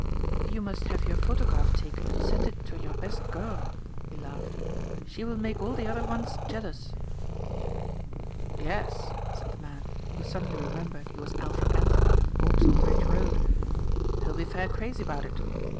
"You must have your photograph taken and send it to your best girl," he laughed, "she will make all the other ones jealous." "Yes," said the man who suddenly remembered he was Alfred Anthony of Vauxhall Bridge Road, "she'll be fair crazy about it.